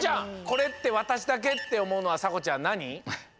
「これってわたしだけ？」っておもうのはさこちゃんなに？